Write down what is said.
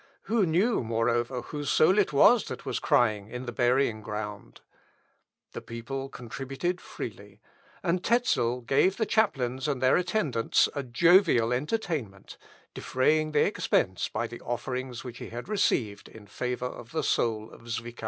Who knew, moreover, whose soul it was that was crying in the burying ground? The people contributed freely, and Tezel gave the chaplains and their attendants a jovial entertainment, defraying the expence by the offerings which he had received in favour of the soul of Zwickau.